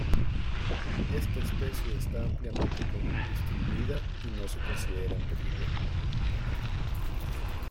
Esta especie está ampliamente distribuida y no se considera en peligro.